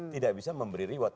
tidak bisa memberi reward